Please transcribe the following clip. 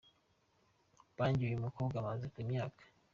Banjye Uyu mukobwa amaze imyaka.